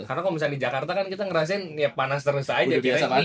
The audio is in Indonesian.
karena kalau misalnya di jakarta kan kita ngerasain ya panas terus aja